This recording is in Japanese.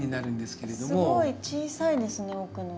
すごい小さいですね奥の。